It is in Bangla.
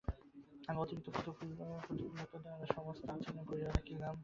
আমি অতিরিক্ত প্রফুল্লতা দ্বারা সমস্ত আচ্ছন্ন করিয়া রাখিলাম।